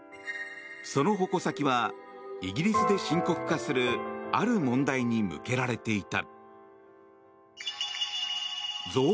その矛先はイギリスで深刻化するある問題に向けられていた。